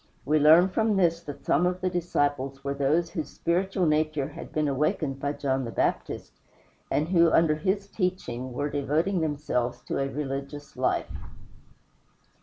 We learn from this that some of the disciples were those whose spiritual nature had been awakened by John the Baptist, and who, under his teaching, were devoting themselves to a religious life.